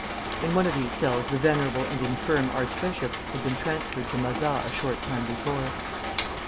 In one of these cells the venerable and infirm archbishop had been transferred to Mazas a short time before.